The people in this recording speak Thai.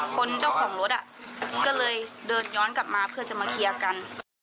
คนเจ้าของรถก็เลยเดินย้อนกลับมาเพื่อจะมาเคลียร์กัน